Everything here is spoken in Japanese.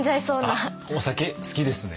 あっお酒好きですね？